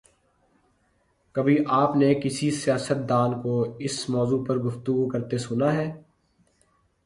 کبھی آپ نے کسی سیاستدان کو اس موضوع پہ گفتگو کرتے سنا ہے؟